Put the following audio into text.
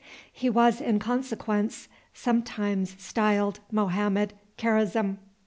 He was, in consequence, sometimes styled Mohammed Karazm.